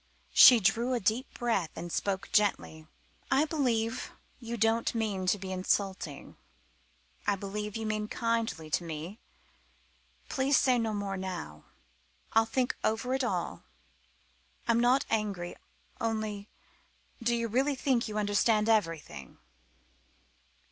She drew a deep breath and spoke gently "I believe you don't mean to be insulting I believe you mean kindly to me. Please say no more now. I'll think over it all. I'm not angry only do you really think you understand everything?"